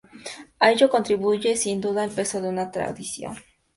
A ello contribuye sin duda el peso de una tradición.